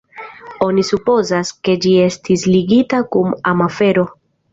Oni supozas, ke ĝi estis ligita kun amafero.